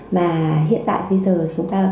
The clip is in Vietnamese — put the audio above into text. mà hiện tại bây giờ chúng ta